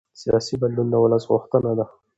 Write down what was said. سیاسي بدلون د ولس غوښتنه ده